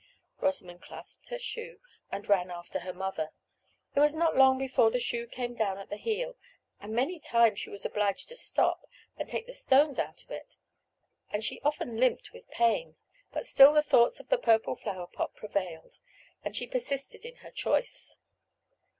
Rosamond clasped her shoe and ran after her mother. It was not long before the shoe came down at the heel, and many times she was obliged to stop to take the stones out of it, and she often limped with pain; but still the thoughts of the purple flower pot prevailed, and she persisted in her choice.